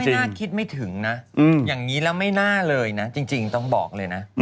น่าคิดไม่ถึงนะอย่างนี้แล้วไม่น่าเลยนะจริงต้องบอกเลยนะ